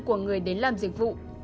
của người đến làm dịch vụ